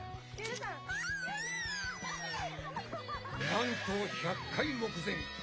なんと１００回目前！